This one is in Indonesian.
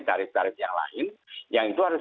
tarif tarif yang lain yang itu harus